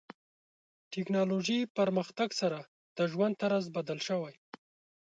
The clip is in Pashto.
ټکنالوژي پرمختګ سره د ژوند طرز بدل شوی.